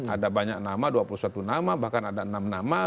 ada banyak nama dua puluh satu nama bahkan ada enam nama